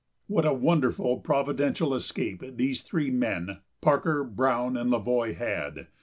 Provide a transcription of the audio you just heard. ] What a wonderful providential escape these three men, Parker, Browne, and La Voy had!